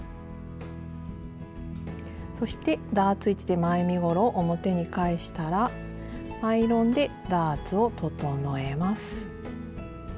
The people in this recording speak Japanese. そしてダーツ位置で前身ごろを表に返したらアイロンでダーツを整えます。